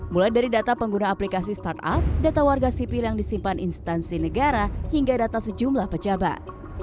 mulai dari data pengguna aplikasi startup data warga sipil yang disimpan instansi negara hingga data sejumlah pejabat